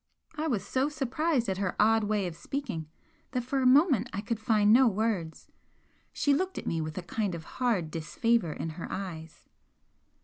I was so surprised at her odd way of speaking that for a moment I could find no words. She looked at me with a kind of hard disfavour in her eyes.